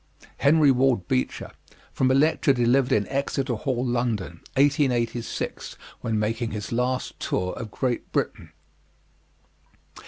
HENRY WARD BEECHER. From a lecture delivered in Exeter Hall, London, 1886, when making his last tour of Great Britain.